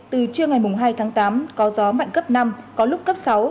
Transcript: từ chiều ngày mùng hai tháng tám có gió mạnh cấp năm có lúc cấp sáu